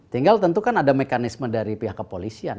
tinggal tentu kan ada mekanisme dari pihak kepolisian